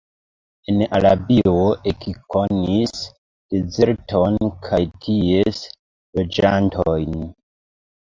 En Arabio ekkonis dezerton kaj ties loĝantojn.